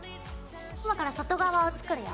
今から外側を作るよ。